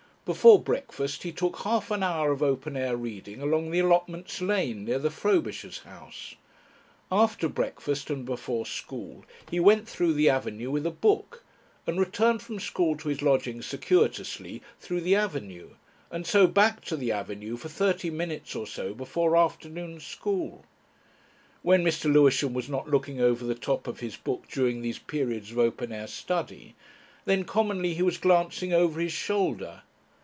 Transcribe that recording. Before breakfast he took half an hour of open air reading along the allotments lane near the Frobishers' house, after breakfast and before school he went through the avenue with a book, and returned from school to his lodgings circuitously through the avenue, and so back to the avenue for thirty minutes or so before afternoon school. When Mr. Lewisham was not looking over the top of his book during these periods of open air study, then commonly he was glancing over his shoulder.